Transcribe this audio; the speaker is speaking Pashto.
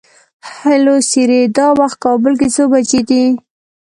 هلو سیري! دا وخت کابل کې څو بجې دي؟